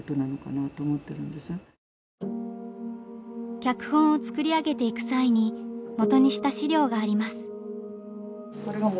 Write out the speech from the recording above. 脚本を作り上げていく際に元にした資料があります。